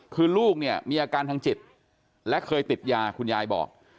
คือลูกเนี่ยมีอาการทางจิตและเคยติดยาคุณยายบอก